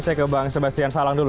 saya ke bang sebastian salang dulu